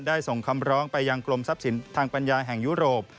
ส่งคำร้องไปยังกรมทรัพย์สินทางปัญญาแห่งยุโรป